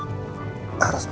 ya allah jangan lupa